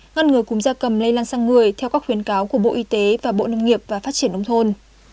ngăn ngừa cúm gia cầm lây lan sang người theo các khuyến cáo của bộ y tế và bộ nông nghiệp và phát triển nông thôn